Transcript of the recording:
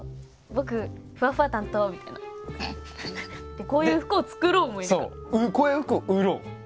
でこういう服も作ろうもいる。